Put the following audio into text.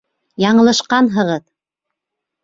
— Яңылышҡанһығыҙ.